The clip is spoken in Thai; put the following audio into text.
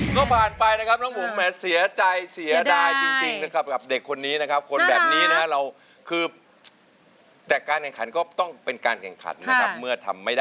ก็ผ่านไปนะครับน้องหมูแม่เสียใจเสียดายจริงนะครับ